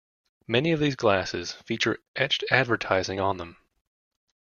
Many of these glasses feature etched advertising on them.